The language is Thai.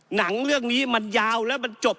หนังเรื่องนี้มันยาวแล้วมันจบ